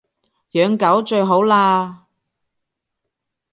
養狗最好喇